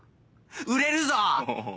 売れるぞ！